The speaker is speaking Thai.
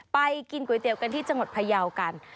ไปกินก๋วยเตี๋ยวกันที่จังหวัดพยาวกัน